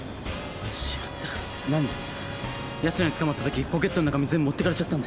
やつらに捕まったときポケットの中身全部持って行かれちゃったんです。